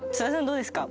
どうですか？